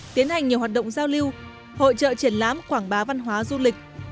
tiến hành nhiều hoạt động giao lưu hội trợ triển lãm quảng bá văn hóa du lịch